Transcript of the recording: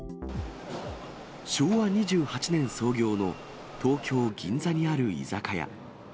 昭和２８年創業の東京・銀座にある居酒屋。